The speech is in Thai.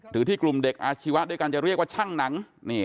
หรือที่กลุ่มเด็กอาชีวะด้วยกันจะเรียกว่าช่างหนัง